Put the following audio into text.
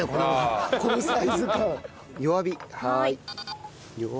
はい。